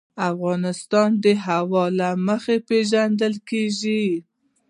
افغانستان د هوا له مخې پېژندل کېږي.